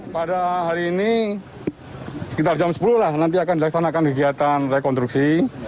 pada hari ini sekitar jam sepuluh lah nanti akan dilaksanakan kegiatan rekonstruksi